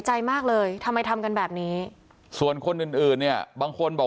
ใจมากเลยทำไมทำกันแบบนี้ส่วนคนอื่นอื่นเนี่ยบางคนบอก